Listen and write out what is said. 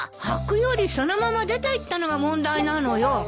はくよりそのまま出ていったのが問題なのよ。